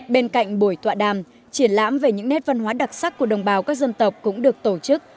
bên cạnh buổi tọa đàm triển lãm về những nét văn hóa đặc sắc của đồng bào các dân tộc cũng được tổ chức